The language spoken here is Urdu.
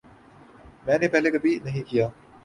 میں نے پہلے کبھی نہیں کیا